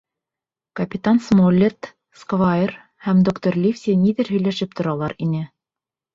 Капитан Смолетт, сквайр һәм доктор Ливси ниҙер һөйләшеп торалар ине.